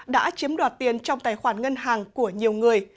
đã chiếm đoạt tiền trong tài khoản ngân hàng của nhiều người